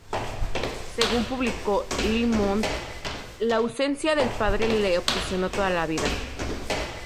Según publicó Le Monde, la ausencia del padre le obsesionó toda la vida.